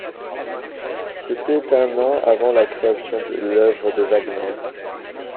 C'était un an avant la création de l’œuvre de Wagner.